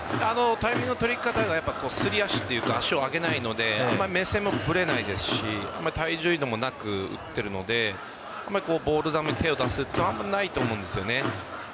タイミングの取り方がすり足というか足を上げないので目線もあまりぶれないですし体重移動もなくなっているのでボール球に手を出すというのはないと思うんですよね。